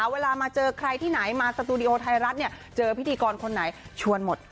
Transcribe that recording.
เวลามาเจอใครที่ไหนมาสตูดิโอไทยรัฐเนี่ยเจอพิธีกรคนไหนชวนหมด